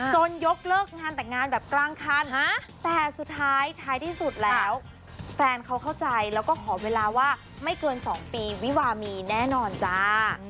ยกเลิกงานแต่งงานแบบกลางคันแต่สุดท้ายท้ายที่สุดแล้วแฟนเขาเข้าใจแล้วก็ขอเวลาว่าไม่เกิน๒ปีวิวามีแน่นอนจ้า